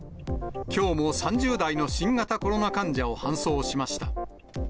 きょうも３０代の新型コロナ患者を搬送しました。